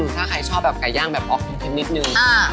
ถ้าใครชอบแบบไก่ย่างตี้กี๊นิดนึง